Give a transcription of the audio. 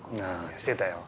してたよ。